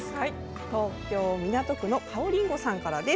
東京・港区のかおりんごさんからです。